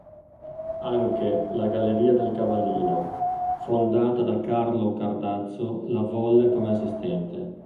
Anche la Galleria del Cavallino fondata da Carlo Cardazzo la volle come assistente.